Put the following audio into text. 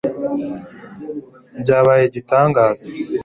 byabaye igitangaza